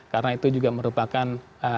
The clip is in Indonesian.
karena itu juga merupakan